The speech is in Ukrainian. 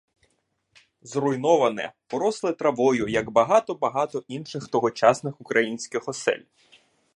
Зруйноване, поросле травою, як багато-багато інших тогочасних українських осель.